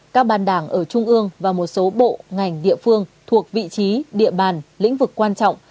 các ban đảng ở trung ương và một số bộ ngành địa phương thuộc vị trí địa bàn lĩnh vực quan trọng